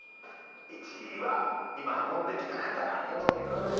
１位は今運んできた方が１位でございます。